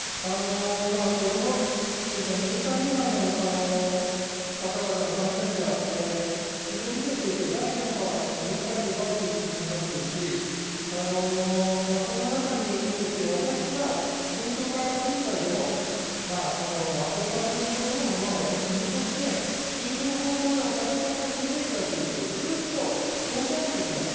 子どもというか、２０歳未満の方々の感染者、非常に増えていて、第４波の４倍、５倍という数字になっているし、そんな中において、私は文教科学委員会でも、この学校観戦プログラムはやっぱり国として、中止の方向で働きかけをすべきだということをずっと申し上げてきました。